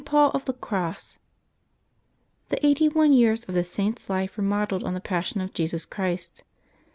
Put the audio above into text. PAUL OF THE CROSS. ^nHE eighty one years of this Saint's life were modelled V / on the Passion of Jesus Christ.